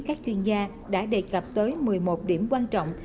các chuyên gia đã đề cập tới một mươi một điểm quan trọng